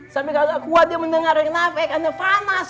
sampai kalau gak kuat dia mendengar yang nafas